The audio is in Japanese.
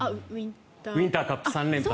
ウインターカップ３連覇。